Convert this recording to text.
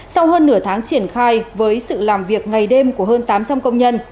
sau hơn nửa tháng triển khai với sự làm việc ngày đêm của hơn tám trăm linh công nhân